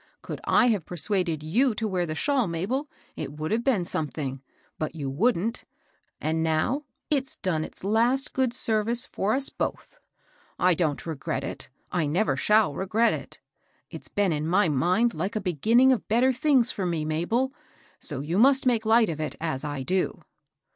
Could I have persuaded you to wear the shawl, Mabel, it would have been something, but you wouldn't, — and now it's done its last good ser vice for us both. I don't regret it, — I never shall regret it ; it's been in my mind like a beginning of better things for me, Mabel ; so you must make light of it, as I do."